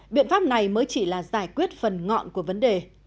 biện pháp này mới chỉ là giải quyết phần ngọn của vấn đề